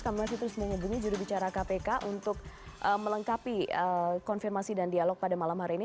kami masih terus menghubungi jurubicara kpk untuk melengkapi konfirmasi dan dialog pada malam hari ini